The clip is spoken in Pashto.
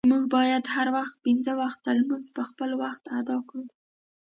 مونږه باید هره ورځ پنځه وخته مونز په خپل وخت اداء کړو.